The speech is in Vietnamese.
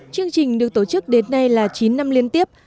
chương trình được tổ chức đến nay là chín năm liên tiếp